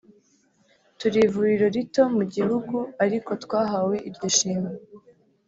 turi ivuriro rito mu gihugu ariko twahawe iryo shimwe